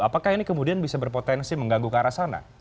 apakah ini kemudian bisa berpotensi mengganggu ke arah sana